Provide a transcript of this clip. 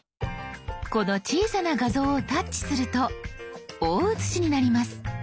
この小さな画像をタッチすると大写しになります。